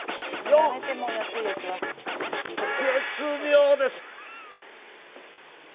絶妙です。